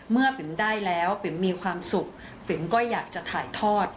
ปิ๋มได้แล้วปิ๋มมีความสุขปิ๋มก็อยากจะถ่ายทอด